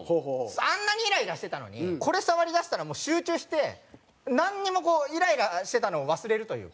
あんなにイライラしてたのにこれ触りだしたら集中してなんにもイライラしてたのを忘れるというか。